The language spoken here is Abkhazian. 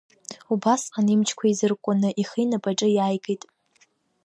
Убасҟан имчқәа еизыркәкәаны ихы инапаҿы иааигеит.